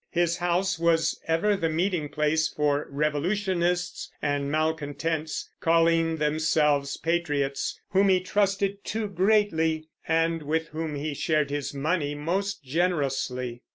His house was ever the meeting place for Revolutionists and malcontents calling themselves patriots, whom he trusted too greatly, and with whom he shared his money most generously.